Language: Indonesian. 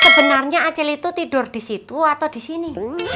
sebenarnya acil itu tidur di situ atau di sini